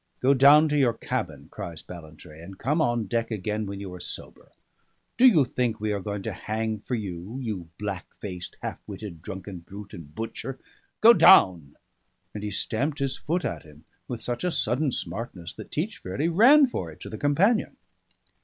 "Go down to your cabin," cries Ballantrae, "and come on deck again when you are sober. Do you think we are going to hang for you, you black faced, half witted, drunken brute and butcher? Go down!" And he stamped his foot at him with such a sudden smartness that Teach fairly ran for it to the companion.